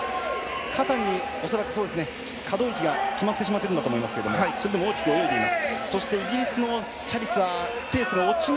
肩に恐らく、可動域が決まってしまってるんだと思いますが、大きく泳いでいます。